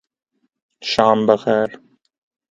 شام بخیر